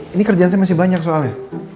ini kerjaan saya masih banyak soalnya